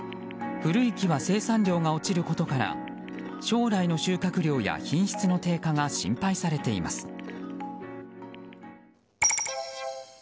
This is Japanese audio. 古い木は生産量が落ちることから将来の収穫量や品質の低下が心配されています。